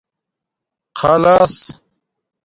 خلاس